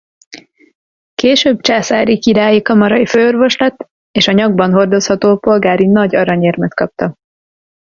Később császári-királyi kamarai főorvos lett és a nyakban hordozható polgári nagy arany-érmet kapta.